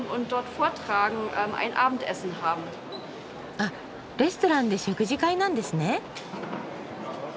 あっレストランで食事会なんですね。